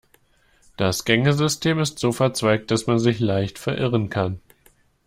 Das Gängesystem ist so verzweigt, dass man sich leicht verirren kann.